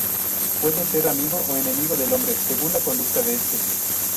Puede ser amigo o enemigo del hombre, según la conducta de este.